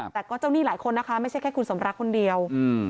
แต่ก็เจ้าหนี้หลายคนนะคะไม่ใช่แค่คุณสมรักคนเดียวอืม